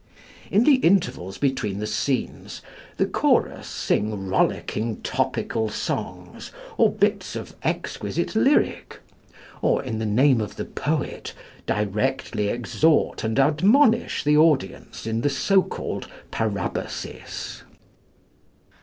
In the intervals between the scenes, the chorus sing rollicking topical songs or bits of exquisite lyric, or in the name of the poet directly exhort and admonish the audience in the so called Parabasis.